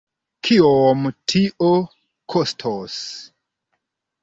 Kiom tio kostos?